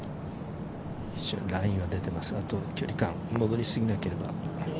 ラインは出てますが、あとは距離感、戻りすぎなければ。